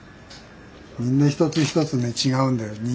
みんな一つ一つね違うんだよ。